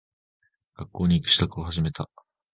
学校に行く支度を始めた。